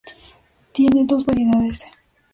Tiene dos variedades.